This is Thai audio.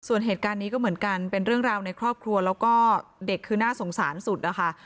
ส่วนเหตุการณ์นี้ก็เหมือนกันเป็นเรื่องราวในครอบครัวแล้วก็เด็กคือน่าสงสารสุดนะคะ